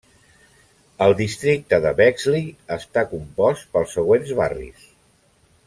El districte de Bexley està compost pels següents barris.